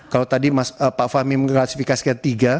kalau tadi pak fahmi mengklasifikasikan tiga